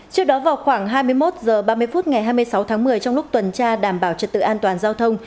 trước đó vào khoảng hai mươi một h ba mươi phút ngày hai mươi sáu tháng một mươi trong lúc tuần tra đảm bảo trật tự an toàn giao thông